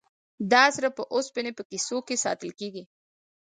دا سره په اوسپنې په کیسو کې ساتل کیږي.